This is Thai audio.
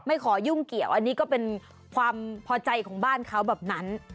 ขอยุ่งเกี่ยวอันนี้ก็เป็นความพอใจของบ้านเขาแบบนั้น